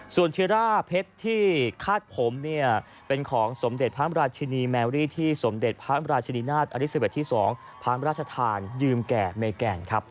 ส่วนธิร่าเพชรที่คาดผมเนี่ยเป็นของสมเด็จพระราชินีแมรี่ที่สมเด็จพระราชินินาศอลิซาเวทที่๒พระราชทานยืมแก่เมแกนครับ